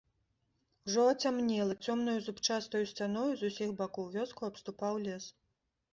Ужо ацямнела, цёмнаю зубчастаю сцяною з усіх бакоў вёску абступаў лес.